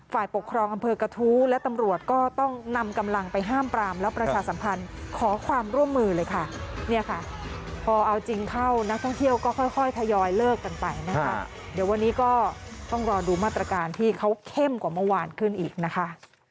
ฝ่ายปกครองอำเภอกระทู้และตำรวจก็ต้องนำกำลังไปห้ามปรามแล้วประชาสัมพันธ์ขอความร่วมมือเลยค่ะเนี่ยค่ะพอเอาจริงเข้านักท่องเที่ยวก็ค่อยทยอยเลิกกันไปนะคะเดี๋ยววันนี้ก็ต้องรอดูมาตรการที่เขาเข้มกว่าเมื่อวานขึ้นอีกนะคะ